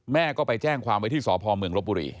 แม่ก็ไปแจ้งความไว้ที่สพเมืองลบบุรี